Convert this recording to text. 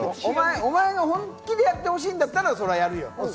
お前が本気でやってほしいんだったら、そりゃやるよ。